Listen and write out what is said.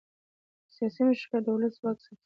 سیاسي مشارکت د ولس ځواک زیاتوي